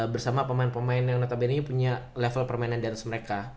bersama pemain pemain yang notabene punya level permainan di atas mereka